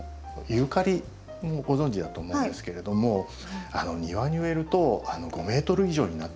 ユーカリもご存じだと思うんですけれども庭に植えると５ｍ以上になってしまう。